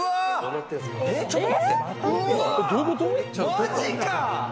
マジか！